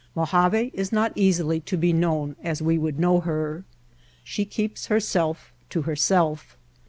Mojave is not easily to be known as we would know her. She keeps herself to herself.